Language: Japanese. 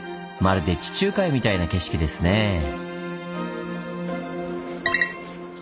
まるで地中海みたいな景色ですねぇ。